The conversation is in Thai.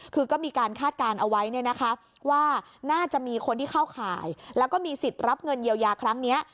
คือก็มีการคาดการณ์เอาไว้เนี่ยนะคะว่าน่าจะมีคนที่เข้าข่ายแล้วก็มีสิทธิ์รับเงินเยียวยาครั้งนี้